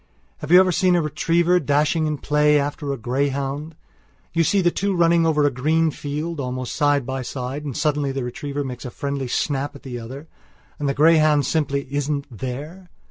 Have you ever seen a retriever dashing in play after a greyhound? You see the two running over a green field, almost side by side, and suddenly the retriever makes a friendly snap at the other. And the greyhound simply isn't there.